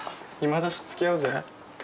暇だしつきあうぜ。